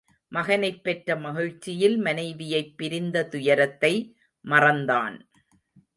மகனைப் பெற்ற மகிழ்ச்சியில் மனைவியைப் பிரிந்த துயரத்தை மறந்தான்.